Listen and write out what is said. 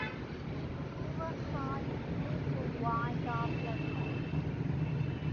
They were signed to Wind-up Records.